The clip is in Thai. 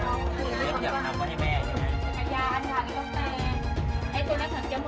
อ่ะเอาแม่ก่อน